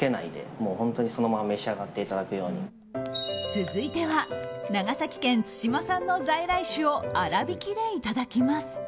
続いては長崎県対馬産の在来種を粗挽きでいただきます。